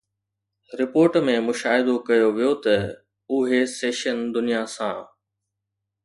report ۾ مشاهدو ڪيو ويو ته اهي سيشن دنيا سان